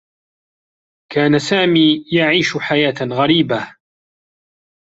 كان سامي يعيش حياة غريبة.